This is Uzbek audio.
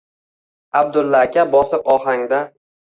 Abdulla aka bosiq ohangda: